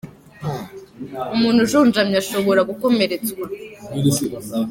Umuntu ujunjamye ashobora gukomeretswa mu buryo bwihuse n’imyitwarire yawe cyangwa se ibikorwa byawe.